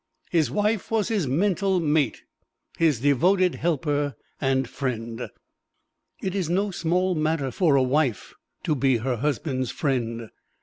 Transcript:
His wife was his mental mate, his devoted helper and friend. It is no small matter for a wife to be her husband's friend.